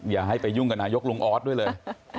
อย่าให้ไปยุ่งกับนายกลุงออสด้วยเลย